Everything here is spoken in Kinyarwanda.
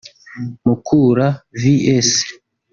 Mukura Vs